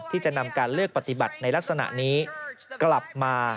ที่จะนำการเลือกปฏิบัติในลักษณะนี้กลับมา